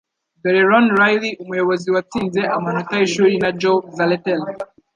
dore Ron Riley, umuyobozi watsinze amanota yishuri, na Joe Zaletel